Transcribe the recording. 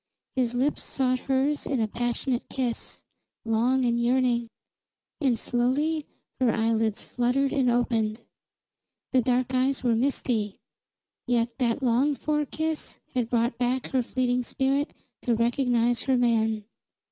His lips sought hers in a passionate kiss, long and yearning; and slowly her eyelids fluttered and opened. The dark eyes were misty, yet that longed for kiss had brought back her fleeting spirit to recognize her man.